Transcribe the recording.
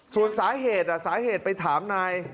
ส่วนสาเหตุสาเหตุไปถามนาย